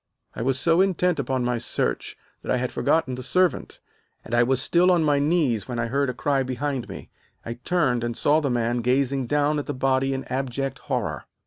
"I was so intent upon my search that I had forgotten the servant, and I was still on my knees when I heard a cry behind me. I turned, and saw the man gazing down at the body in abject horror.